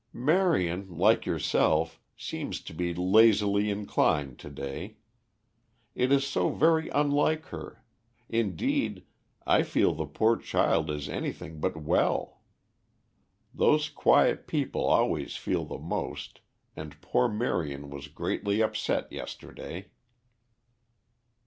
"Marion, like yourself, seems to be lazily inclined to day. It is so very unlike her; indeed, I fear the poor child is anything but well. Those quiet people always feel the most, and poor Marion was greatly upset yesterday."